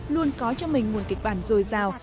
luôn có cho mình nguồn kịch bản dồi dào